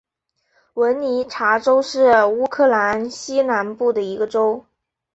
文尼察州是乌克兰西南部的一个州。